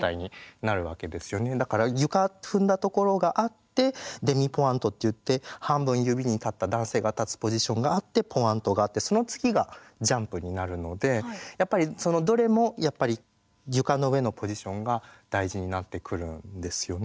だから床踏んだところがあってデミポワントっていって半分指に立った男性が立つポジションがあってポワントがあってその次がジャンプになるのでそのどれもやっぱり床の上のポジションが大事になってくるんですよね。